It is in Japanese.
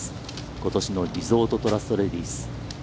ことしのリゾートトラストレディス。